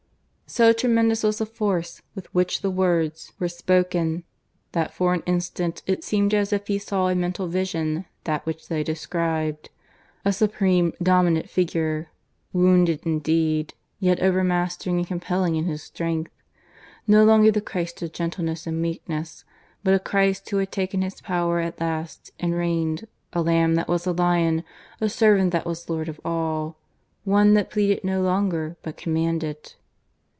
So tremendous was the force with which the words were spoken, that for an instant it seemed as if he saw in mental vision that which they described a Supreme Dominant Figure, wounded indeed, yet overmastering and compelling in His strength no longer the Christ of gentleness and meekness, but a Christ who had taken His power at last and reigned, a Lamb that was a Lion, a Servant that was Lord of all; One that pleaded no longer, but commanded. ...